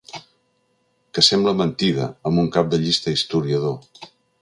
Que sembla mentida, amb un cap de llista historiador.